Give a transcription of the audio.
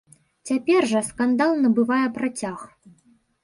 Цяпер жа скандал набывае працяг.